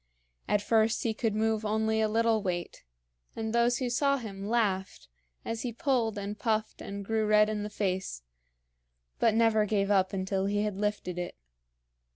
At first he could move only a little weight, and those who saw him laughed as he pulled and puffed and grew red in the face, but never gave up until he had lifted it.